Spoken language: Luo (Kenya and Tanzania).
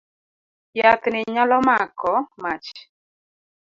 Yath ni nyalo mako mach.